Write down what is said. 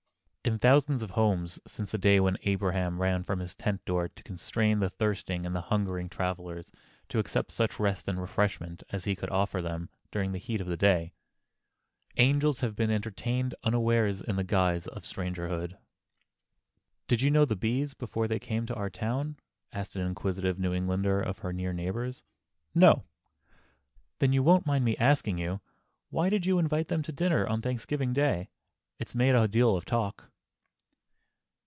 In thousands of homes since the day when Abraham ran from his tent door to constrain the thirsting and hungering travelers to accept such rest and refreshment as he could offer them during the heat of the day, angels have been entertained unawares in the guise of strangerhood. [Sidenote: POETIC JUSTICE] "Did you know the B——'s before they came to our town?" asked an inquisitive New Englander of one of her near neighbors. "No." "Then—you won't mind my asking you?—why did you invite them to dinner on Thanksgiving Day? It's made a deal of talk."